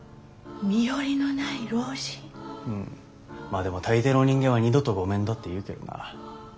まあでも大抵の人間は二度とごめんだって言うけどな。